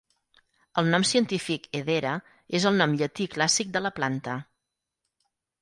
El nom científic "Hedera" és el nom llatí clàssic de la planta.